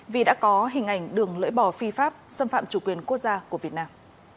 vì đã có hình ảnh đường lưỡi bò phi pháp xâm phạm chủ quyền quốc gia của việt nam